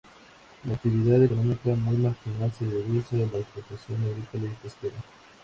La actividad económica, muy marginal, se reduce a la explotación agrícola y pesquera.